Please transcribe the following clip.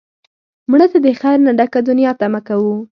مړه ته د خیر نه ډکه دنیا تمه کوو